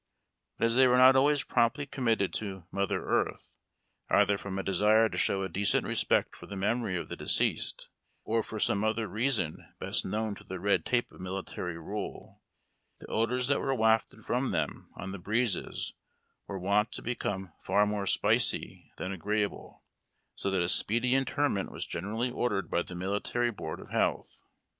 But as they were not always promptly committed to mother earth, either from a desire to show a decent respect for the memory of the deceased or for some other reason best known to the red tape of military rule, the odors that were wafted from them on the breezes were wont to become far more "spicy" than agreeable, so that a speedy interment was generally ordered by the military Board of Health.